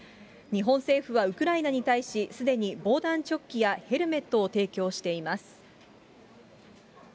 日本政府はウクライナに対し、すでに防弾チョッキやヘルメットを提供しています。